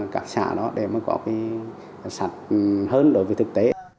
các xã đó để có sẵn hơn đối với thực tế